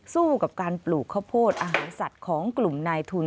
สู้กับการปลูกข้าวโพดอาหารสัตว์ของกลุ่มนายทุน